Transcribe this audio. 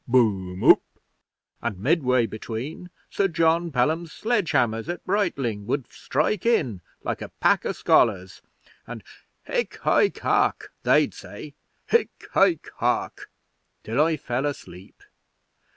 Boom oop!_ and midway between, Sir John Pelham's sledge hammers at Brightling would strike in like a pack o' scholars, and "Hic haec hoc" they'd say, "Hic haec hoc," till I fell asleep.